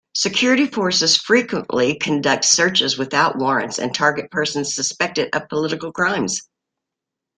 Security forces frequently conduct searches without warrants and target persons suspected of political crimes.